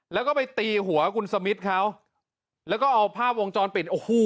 แล้วก็ไปตีหัวคุณสมิทเขาแล้วก็เอาภาพวงจรปิดโอ้โห